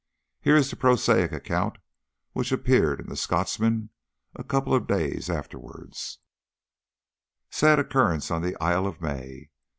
Here is the prosaic account which appeared in the Scotsman a couple of days afterwards: "Sad Occurrence on the Isle of May.